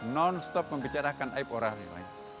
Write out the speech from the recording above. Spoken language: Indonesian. nonstop membicarakan aib orang lain